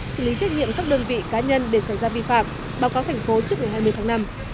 xử lý trách nhiệm các đơn vị cá nhân để xảy ra vi phạm báo cáo thành phố trước ngày hai mươi tháng năm